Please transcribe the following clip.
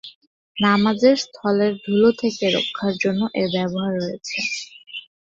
নামাজের স্থলের ধুলো থেকে রক্ষার জন্য এর ব্যবহার রয়েছে।